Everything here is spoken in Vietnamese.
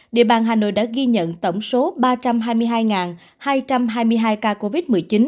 địa bàn hà nội đã ghi nhận tổng số ba trăm hai mươi hai hai trăm hai mươi hai ca covid một mươi chín